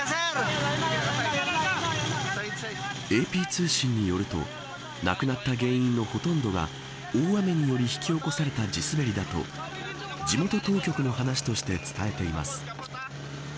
ＡＰ通信によると亡くなった原因のほとんどが大雨により引き起こされた地すべりだと地元当局の話として伝えています。